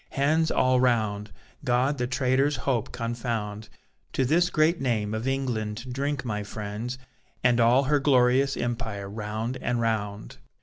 Hands all round! God the traitor's hope confound! To this great name of England drink, my friends, And all her glorious empire, round and round.